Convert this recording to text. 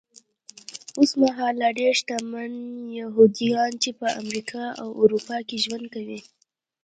اوسمهال لا ډېر شتمن یهوديان چې په امریکا او اروپا کې ژوند کوي.